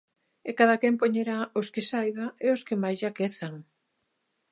E cadaquén poñerá os que saiba e os que mais lle aquezan.